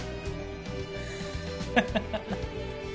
ハハハハ。